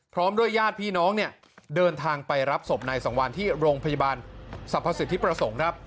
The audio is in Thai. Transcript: พร้อมด้วยญาติพี่น้องเนี่ยเดินทางไปรับศพนายสังวานที่โรงพยาบาลสรรพสิทธิประสงค์ครับ